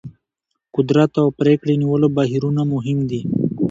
قدرت او پرېکړې نیولو بهیرونه مهم دي.